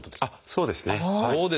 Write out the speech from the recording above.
そうですねはい。